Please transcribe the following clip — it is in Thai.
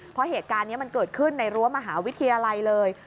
เพราะเหตุการณ์นี้มันเกิดขึ้นในรั้วมหาวิทยาลัยเลย